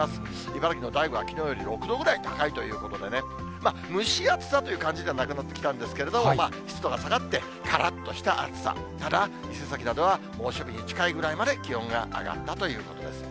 茨城の大子はきのうより６度ぐらい高いということでね、蒸し暑さという感じではなくなってきたんですけれども、湿度が下がってからっとした暑さ、ただ、伊勢崎などは、猛暑日に近いぐらいまで気温が上がったということです。